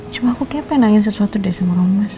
cuma aku kayak pengen sesuatu deh sama om mas